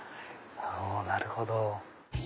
なるほど。